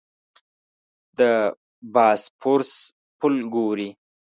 د باسفورس پل ګورې.